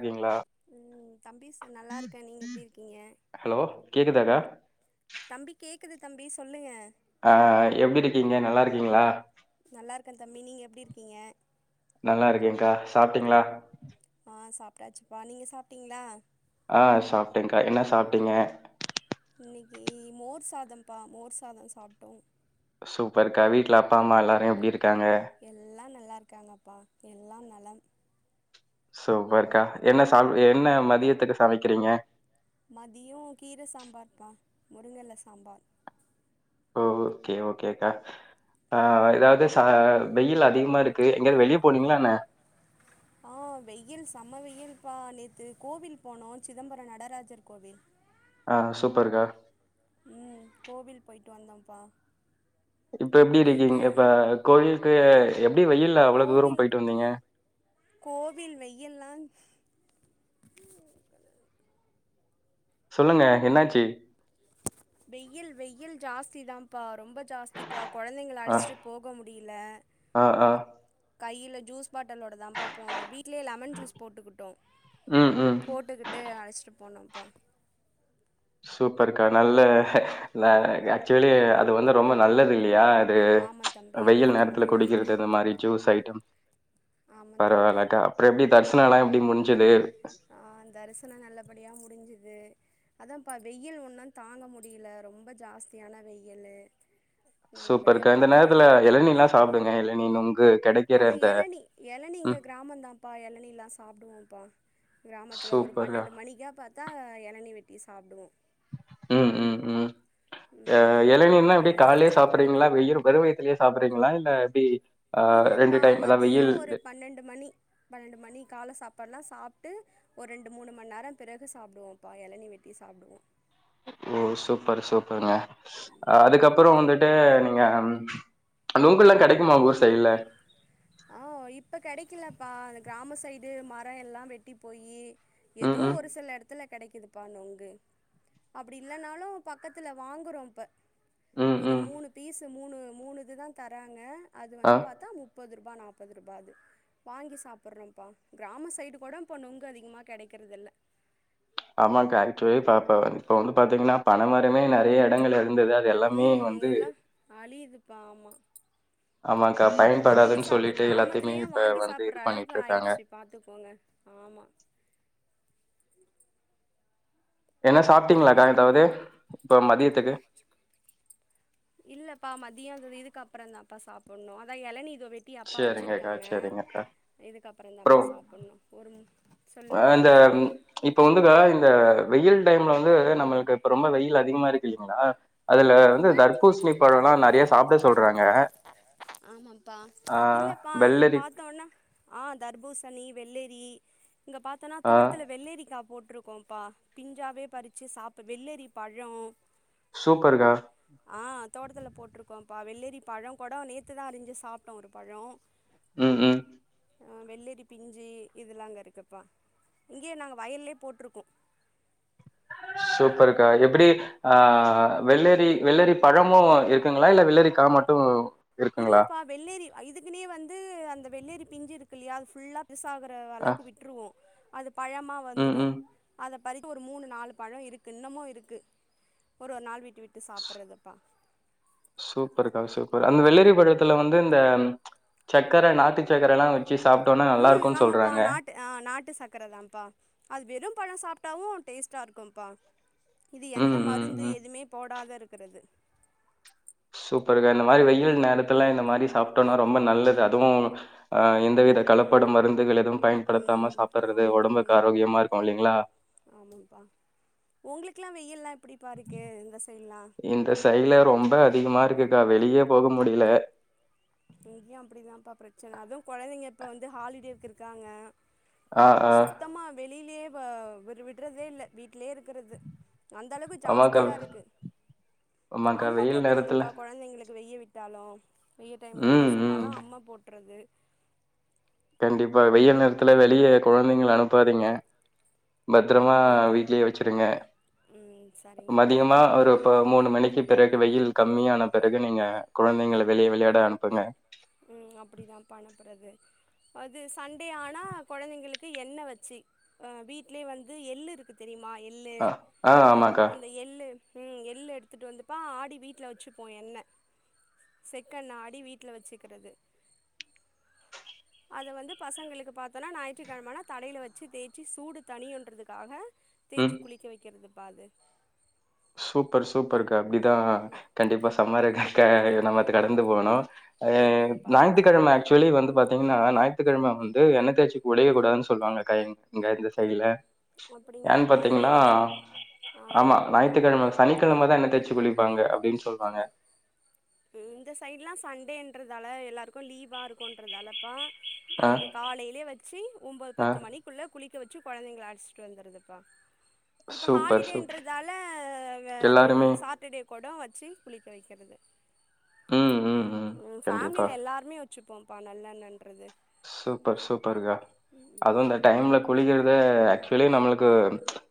இருக்கீங்களா உம் தம்பிஸ் நல்லா இருக்கே நீங்க எப்படி இருக்கீங்க ஹலோ கேக்குதாக்கா தம்பி கேக்குது தம்பி சொல்லுங்க அஹ் எப்படி இருக்கீங்க நல்லா இருக்கீங்களா நல்லா இருக்கே தம்பி நீங்க எப்டி இருக்கீங்க நல்லா இருக்கேகா சாப்பிட்டீங்களா ஆஹ் சாப்பிட்டாச்சுப்பா நீங்க சாப்பிட்டீங்களா ஆஹ் சாப்பிட்டேங்க்கா என்ன சாப்பிட்டீங்க இன்னைக்கி மோர் சாதம்ப்பா மோர் சாதம் சாப்பிட்டோம் சூப்பர்க்கா வீட்ல அப்பா அம்மா எல்லாரு எப்டி இருக் எல்லா நல்லாருக்காங்கப்பா எல்லாம் நலம் சூப்பர்க்கா என்ன சா என்ன மதியத்துக்கு சமைக்கிறிங்க முருங்கெல சாம்பார் ஓகே ஓகேக்கா ஆ எதாது ச வெயில் அதிகமா இருக்கு எங்கயாது வெளிய போனிங்ளா என்ன [inaudible] வெய்யில் செம வெயில் பா நேத்து கோவில் போனோ சிதம்பர நடராஜர் கோவில் ஆ சூப்பர்க்கா ம் கோவில் போய்ட்டு வந்தோம்ப்பா இப்ப எப்டி இருக்கு நேத்து இங்க இப்ப கோயில்க்கு எப்டி வெயில்ல அவ்ள தூரம் கோவில் போயிட்டு வந்திங்க கோவில் வெய்யில்லா சொல்லுங்க என்னாச்சு வெய்யில் வெய்யில் ஜாஸ்தி தாம்ப்பா ரொம்ப ஜாஸ்திபா கொழந்தைங்கள ஆ அழச்சுட்டு போக முடியில ஆ ஆ கையில ஜூஸ் பாட்டலோட தாம்ப்பா போனோ வீ வீட்லயே லெமன் ஜூஸ் போட்டுக்குட்டோ ம் ம் போட்டுகிட்டு அழச்சிட்டு போனோம்ப்பா சூப்பருக்கா நல்ல ல ஆக்சுவலி அது வந்து ரொம்ப நல்லது இல்லியா து ஆமா தம்பி ஆமா வெயில் தம்பி நேரத்துல குடிக்கறது இது மாரி ஜூஸ் ஐட்டம் ஆமா தம்பி பரவால்லக்கா அப்ற எப்டி தரிசனலா எப்டி முடிஞ்சுது ஆ தரிசன நல்லபடியா முடிஞ்சுது அதாம்ப்பா வெய்யில் ஒன்னு தாங்க முடியல ரொம்ப ஜாஸ்தியான வெய்யிலு சூப்பர்க்க இந்த நேரத்துல எழநில்லா சாப்டுங்க எழநி நொங்கு கெடை ஆ எழநி எழநி இங்க கிராமந்தாம்ப்பா எழநிலா சாப்டுவோம்ப்பா கிராமத்துல ஒரு சூப்பர்க்கா. பன்னெண்டு மணிக்கா பாத்தா எழநி வெட்டி சாப்டுவோ ம் ம் ம் எ ம் எளநினா அதெல்லா எப்டி காலைலயே சாப்டறிங்ளா வெயில் வெறு வை த்துலயே சாப்டறிங்ளா இல்ல எப்டி ஆ இல்லப்பா டைம் அதான் மதிய வெயில் ஒரு பன்னெண்டு மணி பன்னெண்டு மணி கால சாப் பாடல்லா சாப்ட்டு ஒரு ரெண்டு மூணு மணி நேர பிறகு சாப்டுவோம்ப்பா எளநி வெட்டி சாப்டுவோ ஓ சூப்பர் சூப்பர்ங்க அதுக்கப்புற வந்துட்டு நீங்க நுங்கெல்லா கெடைக்குமா உங்கூர் சைடுல ஆ இப்ப கெடைக்கலப்பா அந்த கிராம சைடு மர எல்லா வெட்டி போயி ம் எதோ ம். ஒரு சில எடத்துல கெடைக்குதுப்பா நொங்கு அப்டி இல்லனாலு பக்கத்துல வாங்கறோ இப்ப ம், ஒரு ம். மூணு பீஸ் மூணு மூணிதுதா தராங்க அது ஆ வந்து பாத்தா முப்பது ரு பா நாப்பது ருபா அது வாங்கி சாப்படறோம்ப்பா கிராம சைடு கூட இப்போ நொங்கு அதிகமா கெடைக்கறது இல்ல ஆமாக்கா ஆக்சுவலி பாப்ப இப்ப வந்து பாத்திங்னா பன மரமே நெறைய எடங்கள்ல ம் எல்லா அழியுதுப்பா ஆமா ஆமாக்கா இப்ப வாங்கி பயன்படாதுன் சாப்புட் சொல்லிட்டு எல்லாத்தையுமே கிராமத்துலயு இப்ப வாங்கி வந்து இது சாப்புட்ற அளவுக்கு பண்ணிட்ருக்காங்க ஆயிடுச்சு பாத்துக்கோங்க ஆமா என்ன சாப்ட்டிங்ளாக்கா எதாவுது இப்போ மதியத்துக்கு மதிய இதுக்கப்புறந்தாப்பா சாப்படணு அதா எளநி இதோ வெட்டி அப்பா சரிங்கக்கா, வச்சிருக்காங்க சரிங்கக்கா. இதுக்கப்பற தாப்பா அப்புறம் சாப்படணு ஒரு அ சொல்லுப்பா இந்த சொல்லுங்க இப்ப வந்துக்கா இந்த வெய்யில் டைம்ல வந் து நம்மளுக்கு இப்ப ரொம்ப வெய்யில் அதிகமா இருக்கு இல்லிங்ளா அதுல வந்து ஆமாம்ப்பா தர்பூசணி பழல்லா நறையா சாப்ட சொல்றாங்க ஆமாப்பா ஆ இல்லப்பா அங்க வெள்ளரி பாத்தோனா ஆ தர்பூசணி வெள்ளேரி இங்க பாத்தோனா ஆ தோட்த்துல வெள்ளெரிக்கா போட் ருக்கோம்பா பிஞ்சாவே பறிச்சு சாப்ப வெள்ளெரி பழோ சூப்பர் கா தோட்டத்துல போட்டிருக்கோம்ப்பா வெள்ளேரி பழோ கூட நேத்துதா அறிஞ்சு சாப்பிட்டோம் ஒரு பழோ ம், ம். ஆ வெள்ளெரி பிஞ்சு இதெலா அங்க இருக்குப்பா இங்கேயே நாங்க வயல்லே போட்டிருக்கோ சூப்பர்க்கா எப்படி ஆ வெள்ளரி வெள்ளரி பழமும் இருக்குங்களா இல்ல வெள்ளரி கா மட் டு இல்லப்பா வெள்ளேரி இதுக்குனே வந்து அந்த வெள்ளேரி பிஞ்சு இருக்குல்லையா அது ஃபுல்லாப் பெருசாகற அ அளவுக்கு விட்டுருவோம் அது பழமா ம், வந்துடும் ம். அதப் பாதிக்கு ஒரு மூணு நாலு பழோ இருக்கு இன்னமு இருக்கு ஒரு ஒரு நாள் விட்டு விட்டு சாப்பிட்றதுப்பா சூப்பருக்கா சூப்பர் அந்த வெள்ளரி பழத்துல வந்து இந்த சக்கரை நாட்டு சக்கரை எல்லா வச் உம் ஆமாப்பா நாட்டு ஆ நாட்டு சக்கர தான்ப்பா அது வெறும் ப்பழம் சாப்பிட்டாவும் டேஸ்டா இருக்கும்ப்பா இது ம், எந்த ம், மருந்து ம். எதுவுமே போடாத ருக்குறது சூப்பருக்கா இந்த மாதிரி வெயில் நேரத்துல இந்த மாதிரி சாப்பிட்டோம்னா ரொம்ப நல்லது அதுவும் ஆஹ் எந்த வித கலப்பட மருந்துகள் எதும் ம் பயன்படுத்தாம சாப்பிடடுறது ஆமா தம்பி உடம்புக்கு ஆரோக்கியமா இருக்கு இல்லிங்களா கிலாம் வெயில்லாப் இந்த சைல்ல ரொம்ப அதிகமா இருக்குக்கா வெளியேப் போக முடில இங்கேயும் அப்படிதான்ப்பா பிரச்சனை அதுவு கொழந்தைங்க இப்போ வந்து ஹாலிடேக்கு இருக்காங்க ஆ, ஆ. சுத்தமா வெளியிலயே வ விர விடுறதே இல்ல வீட் லே இருக்கிறது அந்த அளவுக்கு ஆமாக்கா. ஜாஸ்தியா இருக்கு ஆமாக்கா அம்மா வெயில் நேரத்துல போட்டுறதுப்பா கொழந்தைங்களுக்கு வெய விட் வட்டாலும் வெய்ய டைம்ல போ ம், ம். சொன்னாலும் அம்மா போட்டுறது கண்டிப்பா வெயில் நேரத்துல வெளியே கொழந்தைங்கள அனுப்பாதீங்க பத்திரமா இல்லப்பா வீட்லயே வச்சிருங்க ம் சரிங்கப்பா மதியமா ஒரு ப மூணு மணிக்கு பிறகு வெயில் கம்மியான பிறகு நீங்க குழந்தைங்கள வெளியே விளையாட அனுப்புங்க ம் அப்படிதான்ப்பா அனுப்புறது அது சண்டே ஆனா குழந்தைங்களுக்கு எண்ணெய் வச்சு ஆ வீட்லயே வந்து எள்ளு இருக்கு தெரியும் ஆ எள்ளு அ, ஆ ஆமாக்கா. அந்த எள்ளு உம் எள்ளு எடுத்துட்டு வந்துப்பா ஆடி வீட்டுல வச்சுப்போம் எண்ண செக்கெண்ண ஆடி வீட்டுல வச்சுக்கிறது அதை வந்து பசங்களுக்கு பாத்தோன்னா ஞாயிற்றுக்கிழமை தலைல வச்சு தேய்ச்சி சூடு தனியுன்றதுக்காக ம். தேய்ச்சி குளிக்க வைக்கிறது பா அது சூப்பர் சூப்பருக்கா அப்படிதான் கண்டிப்பா சம்மர க்க நம்ம கடந்து போனோம் ம் அஹ் ஆமாப்பா ஞாயிற்றுக்கிழமை ஆக்சுவலி வந்து பாத் தீங்கன்னா ஞாயிற்றுக்கிழமை வந்து எண்ண தேயச்சி குளிக்க கூடாது சொல்லுவாங்க கா இங் இந்த சைடூல அப்டிங்களாப்பா இங்க வந்து ஆஹ் சனிக்கிழமை தான் எண்ண தேச்சு குளிப்பாங்க அப்டின்னு சொ ம் இந்த சைடுல்லா சண்டேன்றதால எல்லோருக்கும் லீவா இருக்கும்ன்றதாலப்பா ஆ அன்னைக்கு காலையிலயே வச்சு ஒன்பது ஆ பத்து மணிக்குள்ள குளிக் கவச்சு கொழந்தைங்கள அழச்ச்சிட்டு வந்துரத்தூபா இப்ப சூப்பர் சூப் ஹாலிடேன்றதால அது எல்லாருமே சாட்டர்டே கூட வச்சு குளிக்க வைக்கிறது ம் ம் ம் கண்டிப்பா. ஃபேமிலியில எல்லாருமே வச்சுப்போம்ப்பா நல்லெண்ண சூப்பர் சூப்பருக்கா அதுவும் இந்த டைம்ல குளிக ஆக்சுவலி நம்மளுக்கு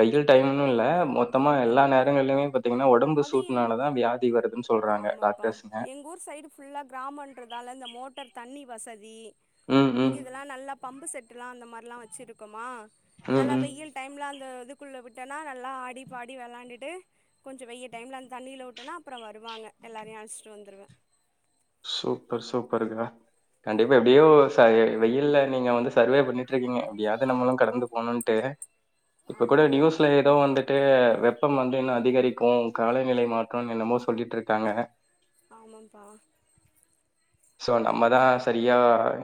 வெயில் டைம் இல்ல மொத்தமா எல்லா நேரங்களிலுமே பாத் பாத்தீங்கன்னா உடம்பு அது எங் சூட்டுனாலதான் வியாதி வருதுன்னு சொல்றாங்க ஆமாப்பா டாக்டர்ஸ்ங்க அதல இந்த மோட்டர் தண்ணி வசதி ம் ம் இதல்லா நல்ல பம்பு செட்டு எலாம் அந்த மாதிராம் வச்சிருக்கோமா ம் நல்லா ம். வெயில் டைம்ல அந்த குள்ள விட்டனா நல்லா ஆடி பாடி விளாண்டுட்டு கொஞ்சம் வெய்ல் டைம்ல அந்த தண்ணியில உட்டேனா அப்புறம் வருவாங்க எல்லாரையும் அழைச்சிட்டு வந்துடுவே சூப்பர் சூப்பர்கா கண்டிப்பா எப்படியோ ச வெயில்ல நீங்க வந்து சர்வே பண்ணிட்டு இருக்கீங்க எப்படியாவது நம்மளும் கடந்து போகணும்ன்ட்டு இப்ப கூட ஆமாப்பா நியூஸ்ல ஏதோ வந்து ட்டு வெப்பம் வந்து இன்னும் அதிகரிக்கும் காலநிலை மாற்றம்னு என்னமோ சொல்லிட்டு இருக்காங்க ஆமாப்பா சோ நம்மதான் சரியா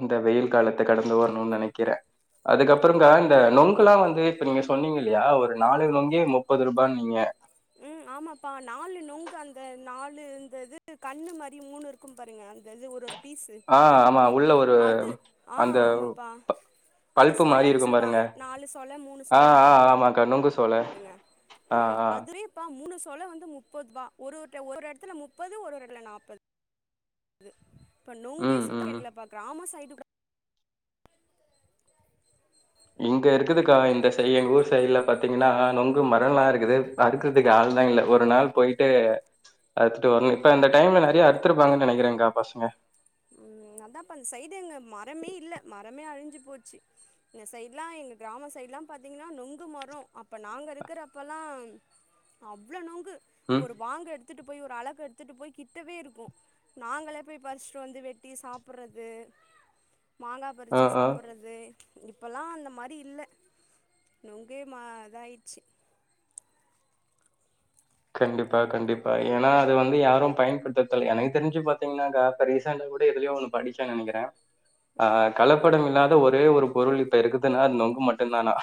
இந்த வெயில் காலத்தை கடந்து வரணும்னு நினைக்கிறே அதுக்கப்புற அப்புறம்கா இந்த நுங்கு எல்லா வந்து இப்ப நீங்க சொன்னீங்க இல்லையா ஒரு நாலு நுங்கே முப்பது ரூபான்னு நீங்க ஆமாம்ப்பா நாலு நுங்கு அந்த நாலுந்த இது கண்ணு மாரி மூணு இருக்கு பாருங்க அந்த இது ஒரு பீஸு ஆ ஆமா உள்ள ஒரு அது ஆ அந்த ஆமாப்பா அந்த பல்ப்பு மாரி சொல்லன்னு இருக்கும் பாருங்க. சொல்லுவாங்க நாலு சொலை மூணு ஆ, ஆ சொழபாங்க ஆமாக்கா. நுங்கு சோள. பாங்க ஆ, ம் ஆ. அதுவேப்ப மூணு சொல வந்து முப்பதுபா ஒரு ஒரு ஒரு இடத்துல முப்பது ஒரு இடத்துல நாப்பது இப்ப நொங்கே ம், சுத்த ம். எடுக்கலப்ப கிராம சைடு கூட இங்க இருக்குதுக்கா இந்த சை எங்க ஊர் சைடல பாத்தீங்கன்னா நுங்கு மரம்ல்லா இருக்குது அறுக்குறதுக்கு ஆ ல் தா இல்ல ஒரு நாள் போயிட்டு அருத்துட்டு வரணு இப்ப இந்த டைம்ல நறைய அருத்திருப்பாங்கன்னு நினைக்கிறேங்க்கா பசங்க ம் அதான்ப்ப அந்த சைடு எங்க மரமே இல்ல மரமே அழிஞ்சு போச்சு இந்த சைடலா எங்க கிராம சைடு எல்லா பா்த்தீங்கன்னா நுங்கு மரம் அப்ப நாங்க இருக்கிறப்பல்லா ஆ அவ்வளவு நொங்கு ம் ஒரு வாங்க எடுத்து ட்டு போய் ஒரு அழக்க எடுத்துட்டு போய் கிட்டவே இருக்கு நாங்களே போய் பறிச்சட்டு வந்து வெட் ட்டி சாப்ட்றது மாங்காய் ஆ பறிச்சு ஆ சாப்டடுறது இப்போல்லா அந்த மாதிரி இல்ல நொங்கே மா இதாயிடுச்சு கண்டிப்பா கண்டிப்பா ஏன்னா அது வந்து யாரும் பயன்படுத்ததல்லை எனக்கு தெரிஞ்சு பார்த்தீங்கன்னா கா இப்ப ரீசண்டா கூட எதுலயோ ஒண்ணு படிச்சன் நினைக்கிறே ஆ கலப்படம் இல்லாத ஒரே ஒரு பொருள் இப்ப இருக்குதுன்னா அது நொங்கு மட்டுதானா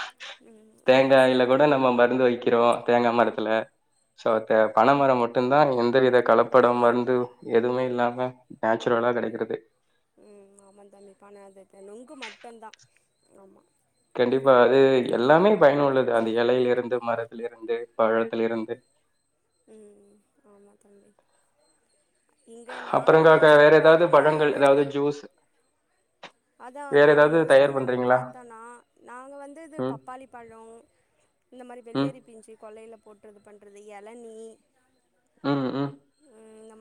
ம் ஆமா தேங்காயில சார் கூட நம்ம மருந்து வைக்கிறோ தேங்காய் மரத்துல சோ பனை மரம் மட்டும்தான் எந்த வித கலப்படம் ஆமா மருந்து எதுவுமே இல்லாமே நேச்சுரலா கிடைக்கிறது ம் ஆமா தம்பி பான நொங்கு மட்டும்தான் ஆமா கண்டிப்பா அது எல்லாமே பயனுள்ளது அந்த எலையில இருந்து மரத்தில இருந்து பழ ம் ஆமா தம்பி இங்க நாங்க அப்புறங்க மோஸ்ட்லி வேற ஏதாவது பாத்தோன்னா பழங்கள் ஏதாவது ஜூஸ் அதான் வேற நாங்க ஏதாவது மோஸ்லி தயார் நாங்க பண்றீங்களா பார்த்தோனா நாங்க வந்து இது ம் பப்பாளி பழம் இந்த மாதிரி ம் வெள்ளேரி பிஞ்சு கொள்ளையில போட்டுறது பண்றது எளநி ம் ம்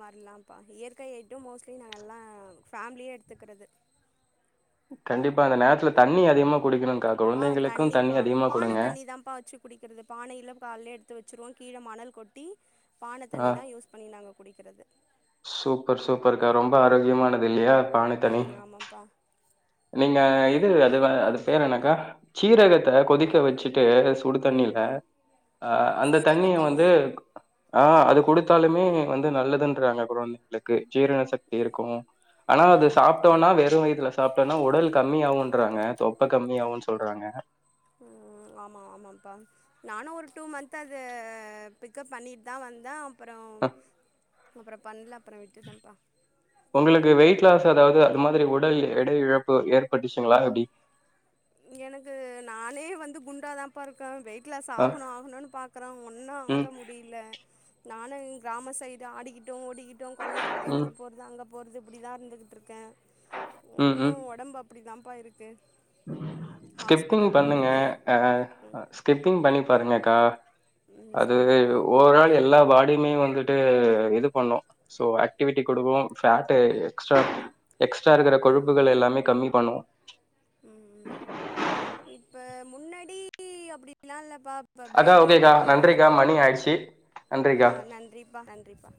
மாரிலாம்ப்பா இயற்கை ஐட்டம் மோஸ்ட்லி நாங்க எல்லா பேமிலியா எடுத்துக்கிறது கண்டிப்பா இந்த நேரத்துல தண்ணி அதிகமா குடிக்கணு ஆ தண்ணிப்பா பானை தண்ணி தான்ப்பா வச்சு குடிக்கிறது பானையில காலே எடுத்து த்து வச்சருவோ கீழே மணல் கொட்டி பானை ஆ தண்ணி தான் யூஸ் பண்ணி நாங்க குடிக்கிறது சூப்பர் சூப்பருக்கா ரொம்ப ஆரோக்கியமானது இல்லையா பாண தண்ணி ம் ஆமாப்பா நீங்க இது அது அது பேரு என்னக்கா சீரகத்தை கொதிக்க வச்சுட்டு சுடு தண்ணி அ அந்த சீரக தண்ணிய வந்து தண்ணி ஆஹ் அது கொடுத்தாலுமே வந்து நல்லதுன்றாங்க கொழந்தைகளுக்கு ஜீரண சக்தி இருக்கு ஆனா அது ஆமாப்பா சாப்பிட்டோனா வெறும் வயதுல சாப் டோனா உடல் கம்மியாவுன்றாங்க தொப்பை கம்மியாவுன்னு சொல்றாங்க உம் ஆமா ஆமாப்பா நானும் ஒரு டூ மந்த்அது பிக்கப் பண்ணிட்டு தான் வந் தா அப்புறம் ஹ அப்புறம் பண்ணல அப்புறம் விட்டுட ப்பா உங்களுக்கு வெயிட் லாஸ் அதாவது அது மாதிரி உடல் எடை இழப்பு ஏற்பட்டுச்சுங்களா எப்டி எனக்கு நானே வந்து குண்டாதான் பா இருக்கே வெய்ட் லஸ் ஆ ஆகணு ஆகணுன்னு பாக்குறே ஒன்னும் ம் ஆக முடியல நானும் கிராம சைடு ஆடிக்கிட்டு ஓடிக்கிட்டு கொல்லைக்கு ம் வயலுக்கு போகறது அங்க போறது இப்படிதான் இருந்துகிட்டு இருக்கேன் ம் ம் ஒன்னும் உடம்பு அப்டிதான்ப்பாருக்கு ஸ்கிப்பிங் பண்ணுங்க அஹ் ம் ஸ்கிப்பிங் பண்ணி பாருங்கக்கா ம் அது சரிப்பா ஓவரால் எல்லா பாடியுமே வந்து ட்ரு இது பண்ணோம் சோ ஆக்டிவிட்டி கொடுக்கும் ஃபேட்டு எக்ஜ்ட்ரா எக்ஸ்ட்ரா இருக்கிற கொழுப்புகள் எல்லாமே கம்மி பண்ணும் ம்ம் இப்ப முன்னாடி அப்டிலாம் இல்லப் பா இப்ப அக்கா பேபி ஓகேக்கா எனக்கு நன்றிக்கா மணி ஆயிடுச்சு நன்றிக்கா ஆஹ் நன்றிப்பா நன்றிப்பா